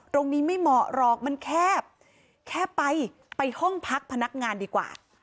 ตรงนี้ไม่เหมาะหรอกมันแคบแค่ไปไปห้องพักพนักงานดีกว่า